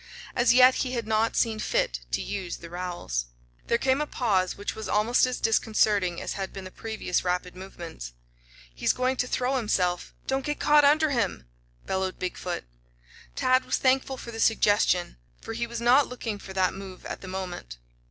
As yet he had not seen fit to use the rowels. There came a pause which was almost as disconcerting as had been the previous rapid movements. "He's going to throw himself! Don't get caught under him!" bellowed Big foot. Tad was thankful for the suggestion, for he was not looking for that move at the moment.